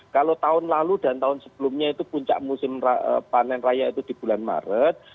kalau tahun lalu dan tahun sebelumnya itu puncak musim panen raya itu di bulan maret